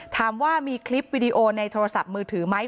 ถามว่ามีคลิปวิดีโอในโทรศัพท์มือถือไหม